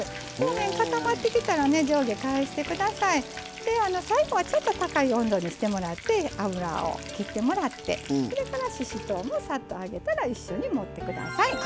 で最後はちょっと高い温度にしてもらって油を切ってもらってそれからししとうもさっと揚げたら一緒に盛ってください。